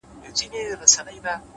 صادق چلند ریښتینې ملګرتیا زېږوي،